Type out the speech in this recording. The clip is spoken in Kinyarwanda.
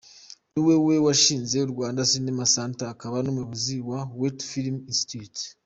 Ni we we washinze Rwanda Cinema Centre akaba n’Umuyobozi wa Kwetu Film Institute.